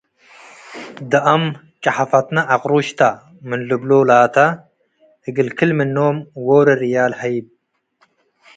ደአም፡ “ጨሐፈትነ አቅሩሽ ተ” ምን ልብሎ ላተ፡ እግል ክል-ምኖም ዎሮ ርያል ሀይብ ።